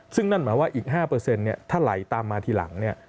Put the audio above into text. ซึ่งนั่นหมายว่าอีก๕ถ้าไหลตามมาทีหลังเนี่ย